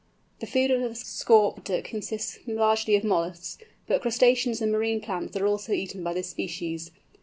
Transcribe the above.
The food of the Scaup Duck consists largely of molluscs, but crustaceans and marine plants are also eaten by this species.